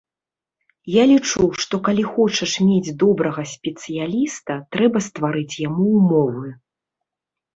Я лічу, што калі хочаш мець добрага спецыяліста, трэба стварыць яму ўмовы.